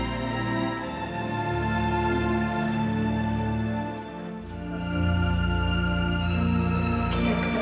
coba pelan pelan kakinya diturunkan